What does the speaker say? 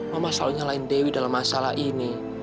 mama selalu nyalahin dewi dalam masalah ini